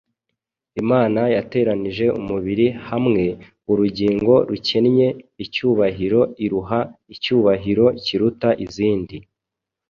imana yateranije umubiri hamwe, urugingo rukennye icyubahiro iruha icyubahiro kiruta izindi